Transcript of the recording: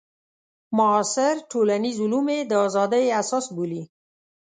معاصر ټولنیز علوم یې د ازادۍ اساس بولي.